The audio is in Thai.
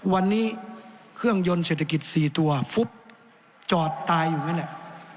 วันนี้เครื่องยนต์เศรษฐกิจ๔ตัวฟุบจอดตายอยู่นั่นแหละ